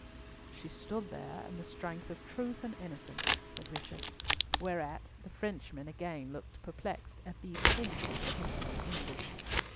"She stood there in the strength of truth and innocence," said Richard. Whereat the Frenchman again looked perplexed at these incomprehensible English.